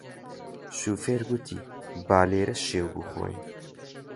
شۆفێر گوتی با لێرە شێو بخۆین